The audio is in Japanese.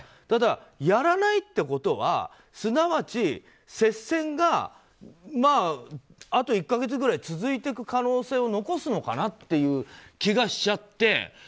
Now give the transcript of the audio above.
ただ、やらないってことはすなわち接戦があと１か月ぐらい続いていく可能性を残すのかなという気がしちゃって。